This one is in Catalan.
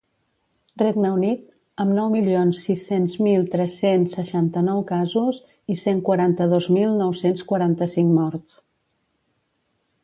Regne Unit, amb nou milions sis-cents mil tres-cents seixanta-nou casos i cent quaranta-dos mil nou-cents quaranta-cinc morts.